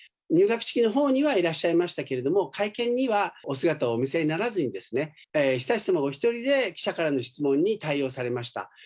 入学式のほうにはいらっしゃいましたけれども、会見にはお姿をお見せにならずに、悠仁さまがお１人で記者からの質問に対応されました。